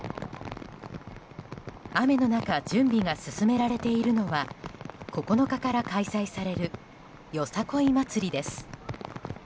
雨の中準備が進められているのは９日から開催されるよさこい祭りです。